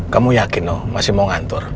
kamu yakin dong masih mau ngantor